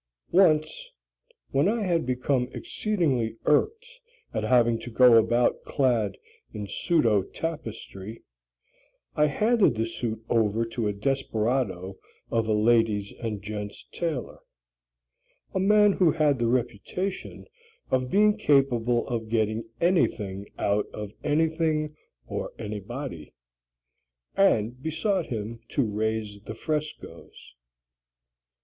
Once, when I had become exceedingly irked at having to go about clad in pseudo tapestry, I handed the suit over to a desperado of a ladies' and gents' tailor a man who had the reputation of being capable of getting anything out of anything or anybody and besought him to raze the frescoes.